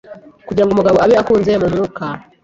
Kugira ngo umugabo abe akuze mu mwuka